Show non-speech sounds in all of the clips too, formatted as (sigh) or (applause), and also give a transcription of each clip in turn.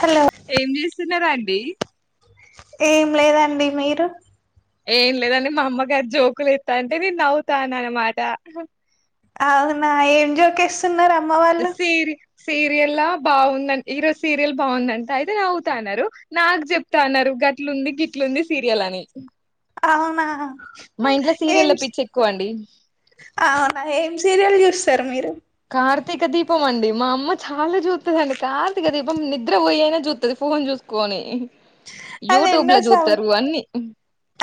Hello ఏం చేస్తున్నారా అండి ఏం లేదండి మీరు ఏం లేదండి మా అమ్మగారు జోకులు ఇస్తా అంటే నేను నవ్వుతాన అనమాట అవునా ఏం జోకేస్తున్నారుర సేరి సీరియల్ బాగుంద హీరో సీరియల్ బాగుందంట అయితే నవ్వుతాన్నారు నాకు చెప్తాన్నారు గట్లు ఉంది గిట్లు ఉంది సీరియల్ అని అవునా మా ఇంట్లో సీరియల్ల పిచ్చి ఎక్కువ అండి ఎమ్రియల్ చూ సార్ మీరు కార్తక దీపం అండి మా అమ్మ చాలా చూతుదిండి కార్తీ దీం నిద్ర పోయయినా చూతుది ఫోన్ చూ కొని అది యూట్యూబ్ ఎన్నో లో సంవ చూస్తారువన్నీ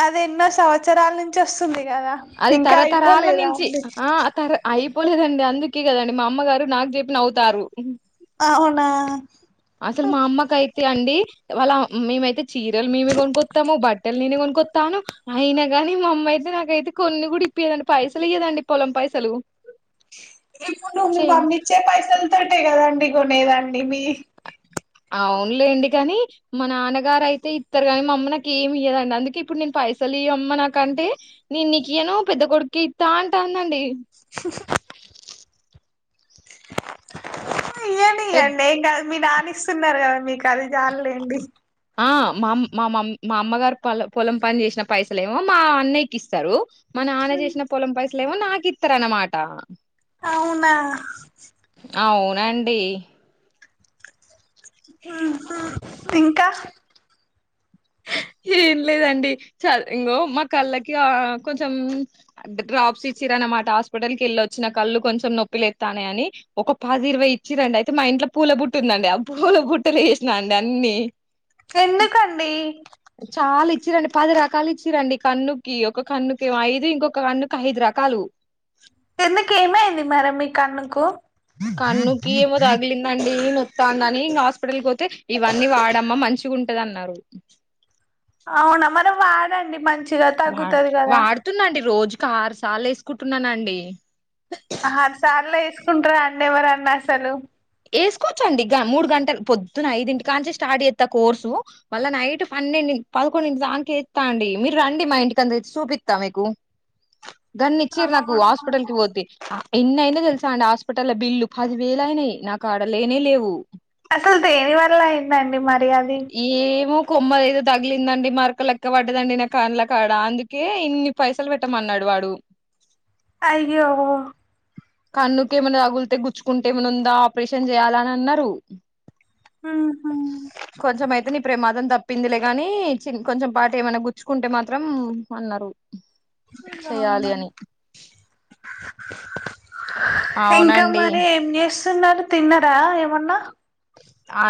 అది ఎన్నో సంవత్సరాల నుంచి వస్తుంది కదా అది ఇంకా తరతరాల అయిపోలేదా నుంచి అండి ఆ తర అయి చెప్పలేదండి అందుకే కదండి మా అమ్మగారు నాకు చెప్పిన అవుతారు ఆనా అసలు మా అమ్మా కాయ అండి వాళ్ళ మేమైతే చీరలు మేమే కొనుక్కొము బట్టలు నేనే కొనుక్కొస్తాను అయినా కానీ మా అమ్మ అయితే నాకైతే కొన్ని కూడా ఇప్పేదండి పైసలు ఇయదండి పొలం పైసలు ఇప్పుడు నువ్వు మీ చేన్ మమ్మీ ఇచ్చే పైసలతోటే కదండి కొనేదాన్ని మీ అవునులేండి కాని మా నాన్నగారుయితే ఇస్తరు కాని మా అమ్మ నాకు ఏమి ఇయ్యదండి అందుకే ఇప్పుడు నేను వైసలి అమ్మ నాకంటే నే నీకయను పెద్ద కొడుకి ఇస్తా అంటా అందండి పెద్ అండి నం మీ నానిస్తున్నారు కదా మీకు అది జాలలేండి ఆ మామ్ మామ్ మా అమ్మగారు పొ పొలం పని చేసిన పైసలే ఏమో మా అన్నయ్యకి ఇస్తారు మా నాన్న చేసిన పొలం పైసలేమో నాకు ఇస్తారునమాట అవునా రండి ఉ హ్ ఇంకా ఏం లేదండి చ ఇంగో మా కళ్ళకి కొంచం డ్రాప్స్ ఇ ఇచ్చరన్నమాట హాస్పిటల్ కి వెళ్ళోచ్చిన కళ్ళు కొంచెం నొప్పిలెస్తా అని ఒక పాది ఇరవై ఇచ్చిరండి అయితే మా ఇ ఇంట్లో పూల బుట్టు ఉందండి ఆ పూల బుట్టలు వేసినా అండి అన్నిీ ఎందు కడి చాలా ఇచ్చిరండి పది రకాలు ఇచ్చిరండి కన్నుకి ఒక కన్నుకి ఐదు ఇంకొక కన్నుకి ఐదు రకాలు ఎందుకు ఏమైంది మరి మీకు కన్నుకి ఏమో తగిలింది అండి స్తాందని ఇంకా హాస్పిటల్కి పోతే ఇవన్నీ వాడమ్మా మంచిగా ఉంటది అన్నారు అవునా మరి వాడండి మంచి వా వాడుతున్నాండి రోజుకి ఆరు సార్లు వేసుకుంటున్నానండి ఆరు సార్లు వేసుకుంటార అండి ఎవరన్నా అసలు వేసుకోవచ్చండి మూడు గంటలు పొద్దున ఐదింటి కాంచి స్టార్ట్ చేస్తా కోర్సు మళ్ళ నైట్ ఫ పెం పదకొండుంటి దాకే ఇస్తా అండి మీరు రండి మా ఇంటికి అంత తెచ్చి చూపిస్తా మీకు (inaudible) గన్ని ఇచ్చారు నాకు అవునా హాస్పిటల్ కి పోతే ఎన్ని అయినా తెలుసా అండి హాస్పిటల్ బిల్లు పది వేలు అయినాయి నాకు ఆడ లేనే లేవు అసలు దేని వల్ల అయిందండి మరి అది ఏమో కొమ్మ ఏదో తగిలిందండి మరక లెక్క పడ్డదండి నా కాన్ల కాడ అందుకే ఇన్ని పైసలు పెట్టమన్నాడు వాడు అయ్యో కన్నుకి ఏమైనా తగులితే గుచ్చుకుంటే ఏమన్నా ఉందా ఆపరేషన్ చేయ్యాల అని అన్నారు ఉ హ్ అతని ప్రమాదం తప్పిందిలే ని కొంచెం పాట ఏమైనా గుచ్చుకుంటే మాత్రం అన్నారు ఎలా చెయాలి ఉన్నారు అని ఇంకా అవునండి మరి ఏం చేస్తున్నారు తిన్నరా ఏమన్నా అ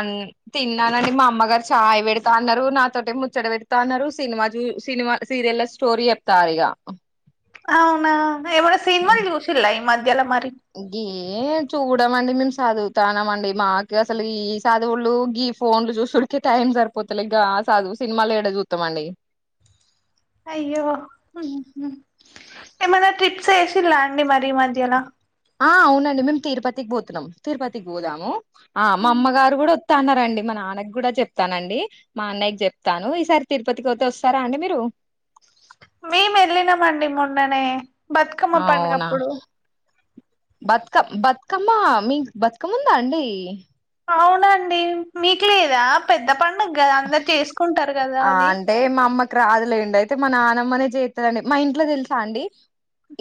తిన్నానండి మా అమ్మగారు చాయ్ పెడతా అన్నారు నాతోట ముచ్చడి పెడతా అన్నారు సినిమా రి సినిమా సీరియల్ స్టోరీ చెప్తారు ఇగా అవునా ఏమన్నా సినిమా చూసిర్రా ఈ మధ్యలో మరి గే చో చమండి మేము చదువుతాన్నాంమండి మాకు అసలు ఈ చదువులు గీ ఫోన్ లు చూసికే టైం జరుపు అసలు ఇగ చదువు సినిమాలు ఎడ చూద్దాంమండి అయ్యో ఉ హ్ ఏమన్నా ట్రిప్ ఏసిల అండి మరి మధ్యల ఆ అవునండి మేము తిరుపతికి పోతున్నాం తిరుపతికి పోదాము ఆ మా అమ్మగారు కూడా న్నండి మా నాన్నకి కూడా చెప్తానండి మా అన్నయ్యకి చెప్తాను ఈసారి తిరుపతికి పోతే వస్తారా అండి మీరు మేము వెళ్ళినామండి మొన్ననే బతుకమ్మ పండుగప్పుడు బతుకమ్ బతుకమ్మ మీ బతుకమ్మ ఉందా అండి అవునండి మీకు లేదా పెద్ద పండుగ కదా అందరు చేసుకుంటారు కదా ఆ అది అంటే మా అమ్మకి రాదులేం అయితే మా నాన్న మనే చేస్తారంండి మా ఇంట్లో తెలుసా అండి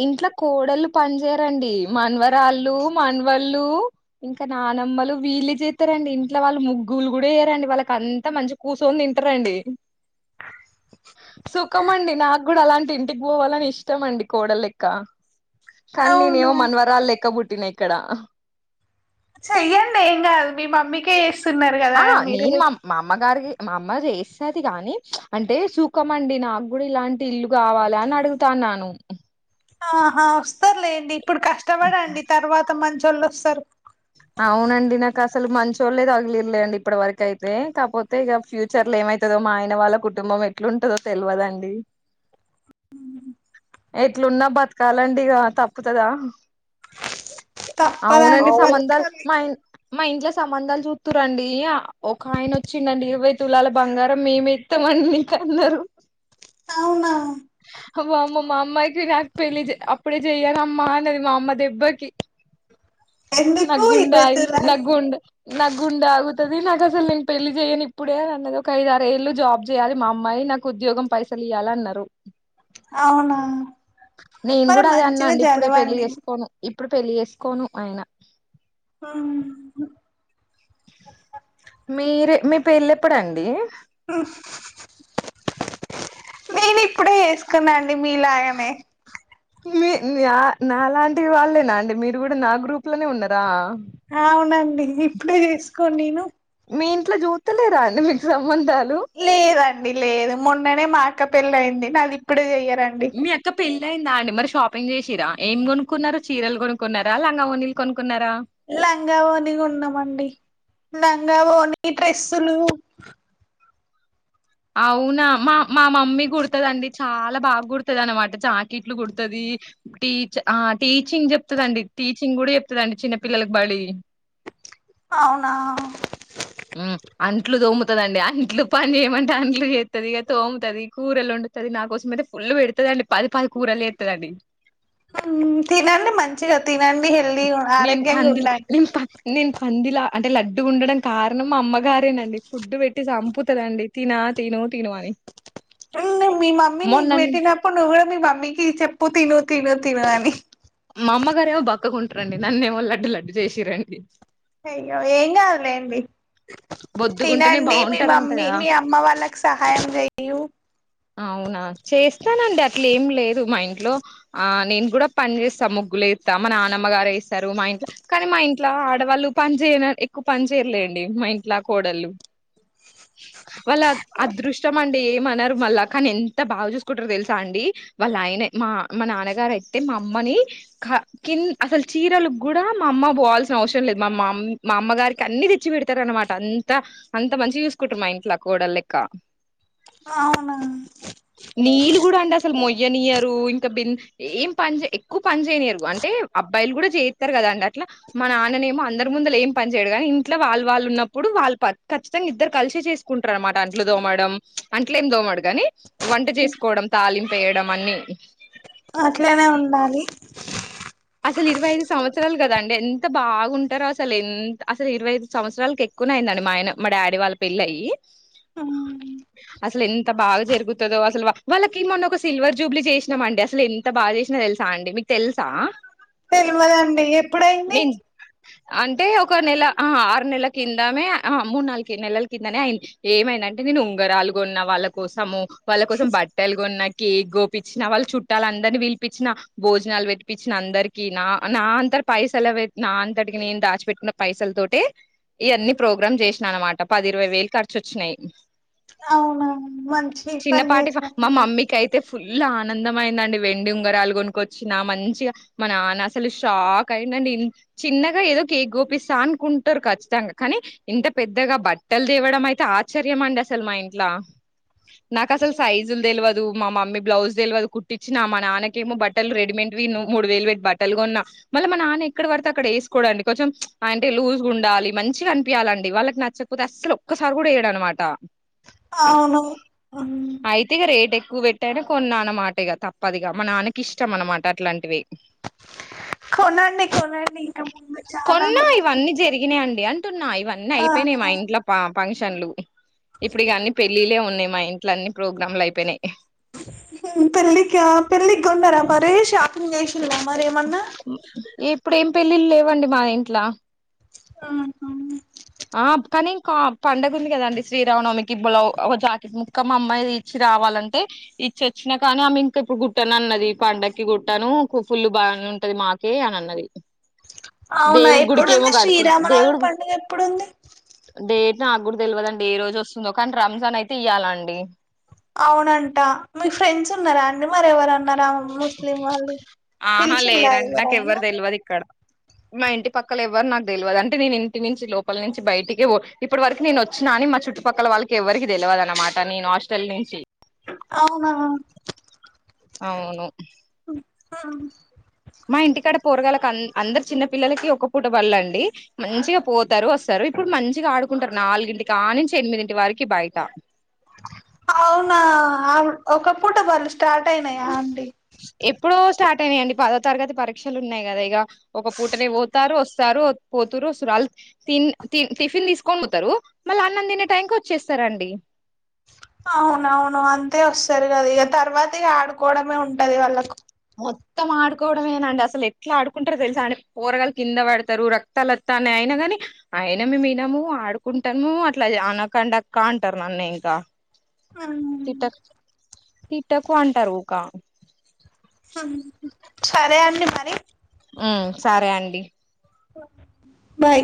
ఇంట్లో కోడళ్ళలు పని చేేయరండి మన్వరాళ్ళు మనవళ్ళు ఇంకా నా నమ్మలు వీళ్ళ చేస్తారారండి ఇంట్ వాళ్ళు ముగ్గులు కూడా వెయ్యడి వాళ్ళకి అంత మంచి కూర్చొని తింటారంండి సుఖం అండి నాకు కూడా అలాంటి ఇంటికి పోవాలని ఇష్టం అండి కోడ లెక్క కానీ నేనే అవునా ఏమో మన్వరాలు లెక్క బుట్టి పూట్టినా ఇక్కడ చెయ్యండి ఎం కదూ మీ మమ్మీక్ ఆ నేను మా మా అమ్మగారి మా అమ్మ చేస్తది కాని అంటే సూఖమండి నాకు కూడా ఇలాంటి ఇల్లు కావాలి అని అడుగుతా నను ఆహా వస్తారులేండి ఇప్పుడు కష్టపడండి తర్వాత మంచోల్లోస్తారు అవునండిి నాకస్ సలు మంచిోళ్ళలే తగిలీరులేండి ఇప్పటి వరకు అయితే కాకపోతే ఇగ ఫ్యూచర్ లో ఏమైతదో మా ఆయన వాళ్ళ కుటుంబం ఎట్లుంటందో తెలువదండి మ్మ్మ్మ్ ఎట్లున్నా బతకాలండి ఇగ తప్పుతదా తప్పదండి అవునండి సంబంధాలు బతకాలి మా ఇన్ మా ఇంట్ల సంబంధాలు చూత్తురండి ఒక ఆయన వచ్చిండండి ఇరవై తులాల బంగారం మేము ఇత్త మన కన్నారు అవునా హ వామ్మో మా అమైతే నాక్ పెళ్లి చె అప్పుడే చెయ్యానమ్మ అన్నది మా అమ్మ దెబ్బకి న ఎందుకు గుండ్ అయ్ న ఇరవైతులాలు గుండ న గుండగు తది నాకు అసలు నేను పెళ్లి చేయను ఇప్పుడే అన్నది ఒక ఐదారేళ్లు జాబ్ చేయాలి మా అమ్మాయి నాకు ఉద్యోగం పైసల్ లియ్యలన్నారు అవునా నేను మరి కూడా అదే అన్నా మంచిగా అండి ఇప్పుడే పెళ్లిి చదవండి చేసుకోను ఇప్ ప్పుడు పెళ్ళి చేేసుకోను ఆయిన ఆ మీరు మీ పేళ్ళేప్పుడు అండి ఆ నేను ఇప్పుడే వేసుకొన్నాండి మీ లాగనే మీ నా నాలాంటి వాళ్ళేనా అండి మీరు కూడా నా గ్రూప్ లోనే ఉన్నారా అవునండి ఇప్పుడే చేసుకోను నేను మీ ఇంట్ల చూస్తలేరా అండి మీకు సంబంధాలు లేదండి లేదు మొన్ననే మా అక్క పెళ్ళి అయింది నాది ఇప్పుడు చెయ్యార్ మీ అక్క పెళ్లి అయిందా అండి మరి షాప్ పింగ్ చేసిరా ఏం కొనుక్కున్నారు చీరలు కొనుక్కున్నారా లంగా వోణిల్ కొన్ లంగావోని కొన్నామండి లం గావోణి డ్రెస్సులు అవునా మా మా మమ్మీ కుడుతదండి చాలా బాగా కుడుతది అనమాట చాకిట్లు కుడుతది టీచ్ ఆ టీచింగ్ చెప్తుదండి టీచింగ్ కూడా చెప్తుదండి చిన్నపిిల్లలకు బడి అవునా హు అంట్లు తోముతందిండి అంట్లు పని చేయమంటే అంట్లు చెత్తది ఇగ తోముతది కూరలోన్ పెడుది నా కోసం అయితే ఫుల్ పెడుతదండి పది పది కూరలు చెత్తదండి హు తినండి మంచిగా తినండి హెల్తీ నేను ఆరోగ్యంగా పందిల్ ఉండండి నేను ప నేను పందిలా అంటే లడ్డుగుండాడం కారణం అమ్మగారేనండి ఫుడ్ పెట్టి చంపుతదండి తిన తిను తిను అని మీ మమ్మీనిక్ మొన్న నే బేటీనప్పుడు నువ్ కూడ మీ మమ్ మీకి చెప్పు తిిను తిను తిను అని మా అమ్మగారేమో బక్కకుంటారండి నన్నేమో లడ్డు లడ్డు చేసిరండి అయ్యో ఏం కదూ లేండి బొద్దుగుంటేనే తినండి మీ బాగుంటారంట మమ్మీ కదా మీ అమ్మ వాళ్ళకి సహాయం చెయ్యు అవునా చేస్తానండి అట్లా ఏం లేదు మా ఇంట్లో ఆ నేను కూడా పని చేస్తాముగ్ గ్గులేస్తా మా నాన్నమ్మగారు వేస్తారు మా ఇంట్ల కానీ మా ఇంట్ల ఆడవాళ్ళు పని చేయ ఎక్కువ పని చేయరులే డి మా ఇంట్లా కోడళ్ళు వాళ్ళ అదృష్టం అండి ఏమన్నారు మళ్ళా కానీ ఎంత బాగా చూసుకుంటారో తెలుసా అండి వాళ్ళ ఆయన మా మా నాన్నగారు అయితే మా అమ్మని కిం అసలు చీరలు కూడా మా అమ్మ పోవాల్సిన అవసరం లేదు మా మామ్ మా అమ్మ గారికి అన్ని తెచ్చి పెడత రనమాట అంత అంత మంచి చూసుకుంటారు మా ఇంట్లో కోడ లెక్క హా అవునా నీళ్లు కూడా అండి అసలు మో యానియరు ఇంకా బిం ఏం పని ఎక్కువ పని చేయనీయరు అంటే అబ్బాయిలు కూడా చేస్తారు కదా అండి అట్ మా నాన్ననేమో అందరు ముందు ఏ పని చేయడుగాని ఇంట్లో వాళ్ళు వాళ్ళు ఉన్నప్పుడు వాళ్ళు ఖచితంగా ఇద్దరు కలిసి చేసుకుంటారు అన్నమాట అంట్లు దోమడం అంట్లు ఏం దోమడుగాని వంట చేసుకోవడం తళింపు వేయడం అన్ని అట్లనే ఉండాలి అసలు ఇరవై ఐదు సంవత్సరాలు కదా అండి ఎంత బాగుంటారో అసలు ఎంత అసలు ఇరవై ఐదు సంవత్సరాలకు ఎక్కువ న అయిందండి మా ఆయన మా డాడీ వాళ్ళ పెళ్లయి అవునా అసలు ఎంత బాగా జరుగుతుందో అసలు వాళ్ళకి మొన్న ఒక సిల్వర్ జూబ్లీ చేసినాంమండి అసలు ఎంత బాగా చేసినా తెలుసా అండి మీకు తెలుసా తెలవదండి ఎప్పుడయింది నేను అంటే ఒక నెల ఆ ఆరు నెలల కిందమే ఆ మూడు నాలుకి నెలల కిందనే అయింది ఏమైనా అంటే నేను ఉంగరాలు గోన్న వాళ్ళ కోసము వాళ్ళ కోసం బట్టలు కొన్నా కేక్ గోపించిన వాళ్ళు చుట్టాల అందరినీ పిలిపించిన భోజ నాలు పెట్టిపిచ్చిన అందరిక నా నా అంతటి పైసలు నా అంతటికి నేను దాచిపట్కున్న పైసల తోటే ఇవన్ని ప్రోగ్రామ్ చేసిన అనమాట పది ఇరవై వేలు ఖర్చు వచ్చినాయి అవునా మంచి పని చిన్నపాటి ఫ మా చేసారు మమ్మీకి అయితే ఫుల్ ఆనందంమయిందండి వెండి ఉంగరాలు కొనుక్కొచ్చు వచ్చిన మంచిగా మా నాన్న అసలు షాక్ అయినండి చిన్నగా ఏదో కేక్ గోపిస్తా అనుకుంట ఉంటారు ఖచ్చితంగా కానీ ఇంత పెద్దగా బట్టలు తేవడం అయితే ఆశ్చర్యం అండి అసలు మా ఇంట్లో నాకు అసలు సైజులు తెలవదు మా మమ్మీ బ్లౌజ్ తెలవదు కుట్టించినా మా నాన్నకేమో బట్ బట్టలు రెడీమేడ్ వి మూడు వేలు పెట్ బట్టలు గోన్నా మళ్ళీ మన నాన్న ఎక్కడ పడితే అక్కడ వేసుకోడండి కొంచెం అంటే లూజ్గా ఉండాలి మంచిగా అనిపించాలండి వాళ్ళకి నచ్చకపోతే అసలు ఒక్కసారి కూడా వెయ్యడనమాట అవును మ్మ్. అయితే ఇగా రేట్ ఎక్కువ పెట్ టను కొన్న అనమాట ఇగా తప్పదిగా మా నాన్నకి ఇష్టం అనమాట అట్లాంటివి కొనండి కొనండి ఇంక ముందు చాలా కొన్నా కొనండి ఇవన్నీ జరిగినాయండి అంటున్నా ఇవన్నీ ఆ అయిపోయినాయి మా ఇంట్లో ఫంక్షన్లు ఇప్పుడు ఇగా అన్ని పెళ్ళిలే ఉన్నా మా ఇంట్లో అన్ని ప్రోగ్రామ్లు అయిపోయినాయి పెళ్ళిక పెళ్ళికొనరా మరి షాపింగ్ చేసి ఇలా మరి ఏమన్నా ఇప్పుడు ఏం పెళ్ళిళ్ళ లేవండి మా ఇంట్లో ఆహా ఆ కానీ ఇంకా పండగ ఉంది కదండి శ్రీరామనవమికి బ్లౌ ఒక జాకెట్ ముక్క అమ్మాయి రావాలంటే ఇచ్చి వచ్చినా కానీ ఆమె ఇంకా ఇప్పుడు గుట్టను అన్నది పండకి గుట్టను ఫుల్ బాగా అని ఉంటది మాకే అని అన్నది అవునా దేవుడు ఎప్పుడుంది గుడికెమో కడుతున్నా శ్రీరామనవమి దేవుడు పండుగ ఎప్పుడుంది డేట్ నాకు కూడా తెల్వదండి ఏ రోజు వస్తుందో కానీ రంజాన్ అయితే ఇయ్యాలండి అవునంటా మీ ఫ్రెండ్స్ ఉన్నారా అండి మర ఎవరన్నారు ముస్లిం వాళ్ళు ఆహా పిలిచిలా లేరండి నాకు ఎవ్వరు ఎవరయినా తెలవదు ఇక్కడ మా ఇంటి పక్కల ఎవ్వరు నాకు తెలవదు అంటే నేను ఇంటి నుంచి లోపల నుంచి బయటికి పో ఇప్పటి వరకు నేను వచ్చిన కానీ మా చుట్టుపక్కల వాళ్ళకి ఎవరికి తె లవదు అన్నమాట నేను హాస్టల్ నుంచి అవునా అవును మ్మ్. మా ఇంటికాడ పోరగాళ్ళకి అందరు చిన్న పిల్లలకి ఒక పూట బల్లండి మంచిగా పోతారు వస్తారు ఇప్పుడు మంచిగా ఆడుకుంటారు నాలుగింటి కా నుంచి ఎనిమిదింటి వరకీ బయట అవునా ఒక పూట బళ్ళు స్టార్ట్ అయినాయా అండీ ఎప్పుడో స్టార్ట్ అయినాయియండి పదో తరగతి పరీక్షలు ఉన్నాయి కదా ఇగ ఒక పూటనే పోతారు వస్తారు పోతు. రోజు వాళ్లు తిన్ తిన్ టిఫిన్ తీసుకొని పోతారు. మళ్ళా అన్నం తినే టైం కి వచ్చేస్తారండి. అవునవును అంతే వస్తారు కదా ఇక తర్వాత ఇక ఆడుకోవడమే ఉంటది వాళ్ళకు. మొత్తం ఆడుకోవడమేనాండి అసలు ఎట్లా ఆడుకుంటారో తెలుసా అండి. పోరగాలు కింద పడతారు రక్తాలోత్తన్నాయి. అయినా గాని అయిన మేము వినం ఆడుకుంటాము అట్లా అనకండాక్క అంటారు నన్ను ఇంకా. అవునా. తిట్టాకు అంటారు ఊక. సరే అండి మరి. ఉమ్ సరే అండి. బాయ్.